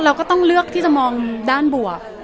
เราก็ต้องเลือกที่จะมองด้านบวก